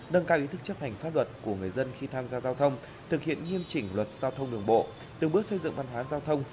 nâng cao ý thức chấp hành pháp luật của người dân khi tham gia giao thông thực hiện nghiêm chỉnh luật giao thông đường bộ từng bước xây dựng văn hóa giao thông